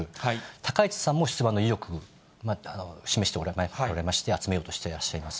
高市さんも出馬の意欲、示しておられまして、集めようとしてらっしゃいます。